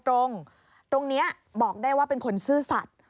ตรงนี้บอกได้ว่าเป็นคนซื่อสัตว์